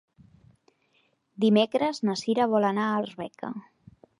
Dimecres na Cira vol anar a Arbeca.